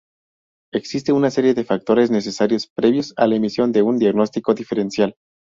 Existe una serie de factores necesarios previos a la emisión de un diagnóstico diferencial.